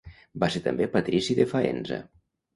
Va ser també patrici de Faenza.